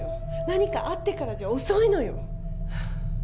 何かあってからじゃ遅いのよ。